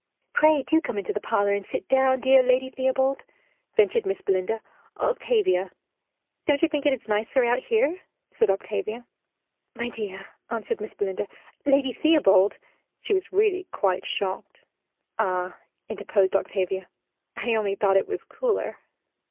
"Pray do come into the parlor, and sit down, dear Lady Theobald," ventured Miss Belinda. "Octavia" "Don't you think it is nicer out here?" said Octavia. "My dear," answered Miss Belinda. "Lady Theobald" She was really quite shocked. "Ah!" interposed Octavia. "I only thought it was cooler."